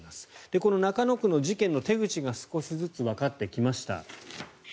この中野区の事件の手口が少しずつわかってきました。